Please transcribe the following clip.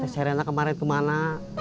t serena kemarin kemana